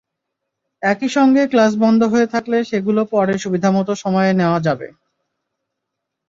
একই সঙ্গে ক্লাস বন্ধ হয়ে থাকলে সেগুলো পরে সুবিধামতো সময়ে নেওয়া যাবে।